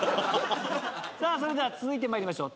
それでは続いて参りましょう。